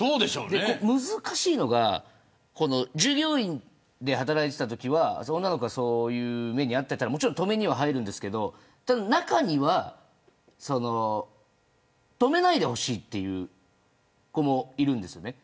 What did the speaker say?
難しいのが従業員で働いていたときは女の子がそういう目に遭っていたらもちろん止めには入るんですけど中には、止めないでほしいという子もいるんです。